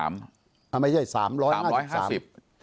ไม่ใช่๓๕๐